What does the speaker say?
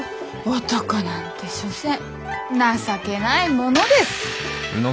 男なんて所詮情けないものです！